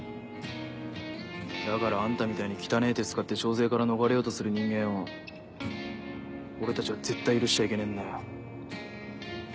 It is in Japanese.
だからあんたみたいに汚ねぇ手使って徴税から逃れようとする人間を俺たちは絶対許しちゃいけねえんだよ。